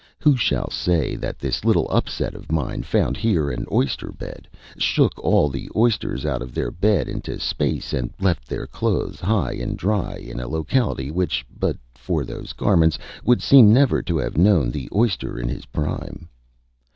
Who shall say that this little upset of mine found here an oyster bed, shook all the oysters out of their bed into space, and left their clothes high and dry in a locality which, but for those garments, would seem never to have known the oyster in his prime?